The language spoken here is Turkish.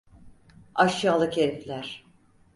Aşağılık herifler!